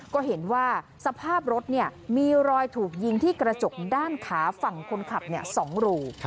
ก็เห็นว่าสภาพรถมีรอยถูกยิงที่กระจกด้านขาฝั่งคนขับ๒รู